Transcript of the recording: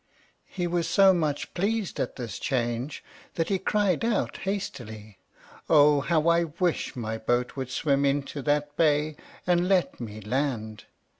He was so much pleased at this change, that he cried out hastily, "Oh how I wish my boat would swim into that bay and let me land!"